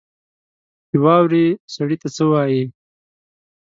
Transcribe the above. د واورې سړي ته څه وايي؟